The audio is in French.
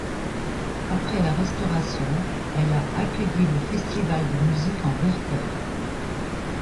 Après la restauration elle a accueilli le Festival de musiques en Vercors.